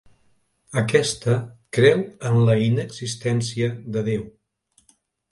Aquesta creu en la inexistència de Déu.